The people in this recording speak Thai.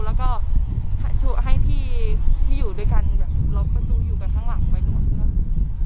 แล้วก็ให้พี่อยู่ด้วยกันล็อบประตูอยู่กันข้างหลังไปดูก่อน